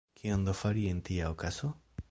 Kion do fari en tia okazo?